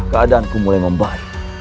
keadaanku mulai membaik